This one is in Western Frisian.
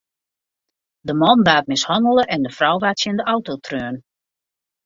De man waard mishannele en de frou waard tsjin de auto treaun.